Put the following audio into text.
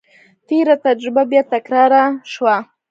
تېره تجربه بیا تکرار شوه.